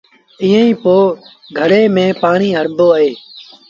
ائيٚݩ پو گھڙي ميݩ پآڻيٚ هڻبو اهي۔